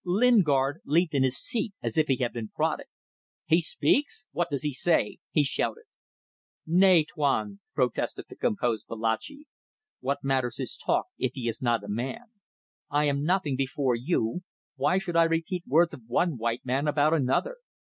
Lingard leaped in his seat as if he had been prodded. "He speaks! What does he say?" he shouted. "Nay, Tuan," protested the composed Babalatchi; "what matters his talk if he is not a man? I am nothing before you why should I repeat words of one white man about another?